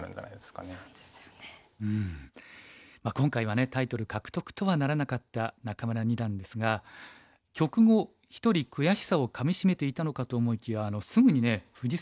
今回はねタイトル獲得とはならなかった仲邑二段ですが局後一人悔しさをかみしめていたのかと思いきやすぐにね藤沢